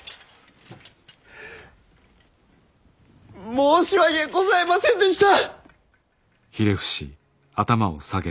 申し訳ございませんでした！